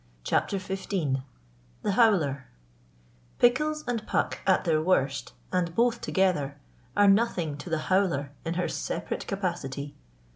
CHAPTER XV The Howler PICKLES and Puck at their worst and both together are nothing to the Howler in her separate capacity.